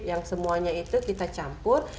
yang semuanya itu kita campur